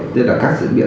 tức là các dự biện